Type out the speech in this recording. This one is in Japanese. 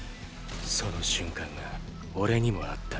その瞬間が俺にもあった。